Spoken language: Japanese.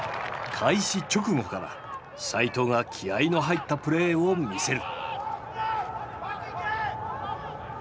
開始直後から齋藤が気合いの入ったプレーを見せる。